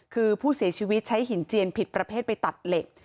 คือผู้เสียชีวิตใช้หินเจียนผิดประเภทไปตัดเหล็ก